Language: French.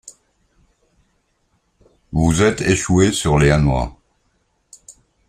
Vous êtes échoué sur les Hanois.